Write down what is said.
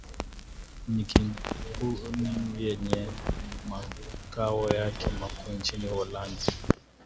Ni Kmpuni yenye makao yake makuu nchini Uholanzi